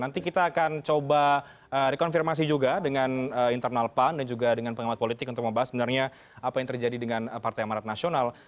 jadi kita akan coba rekonfirmasi juga dengan internal pan dan juga dengan pengamat politik untuk membahas sebenarnya apa yang terjadi dengan partai amarat nasional